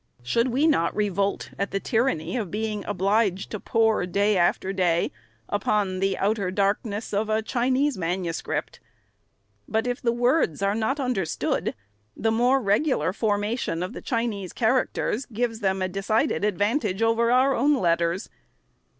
Should we not revolt at the tyranny of being obliged to pore, day after day, upon the outer darkness of a Chinese manuscript ? But if the words are not understood, the more regular formation of the Chinese characters gives them a decided advantage over our own letters.